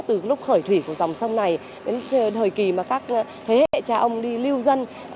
từ lúc khởi thủy của dòng sông này đến thời kỳ mà các thế hệ cha ông đi lưu dân